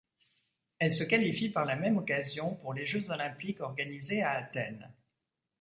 Elle se qualifie par la même occasion pour les Jeux olympiques organisés à Athènes.